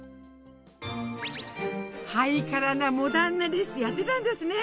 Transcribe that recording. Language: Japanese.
ハイカラなモダンなレシピやってたんですね！